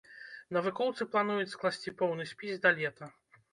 Навукоўцы плануюць скласці поўны спіс да лета.